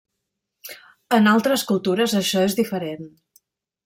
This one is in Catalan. En altres cultures això és diferent.